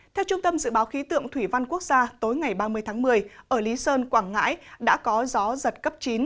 theo trung tâm dự báo khí tượng thủy văn quốc gia tối ngày ba mươi tháng một mươi ở lý sơn quảng ngãi đã có gió giật cấp chín